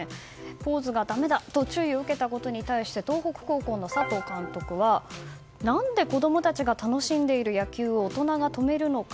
ポーズがだめだと注意を受けたことに対して東北高校の佐藤監督は、何で子供たちが楽しんでいる野球を大人が止めるのか。